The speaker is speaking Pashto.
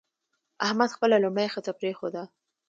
احمد خپله لومړۍ ښځه پرېښوده.